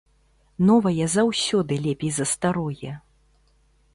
Новае заўсёды лепей за старое!